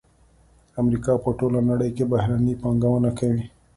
امریکا په ټوله نړۍ کې بهرنۍ پانګونه کوي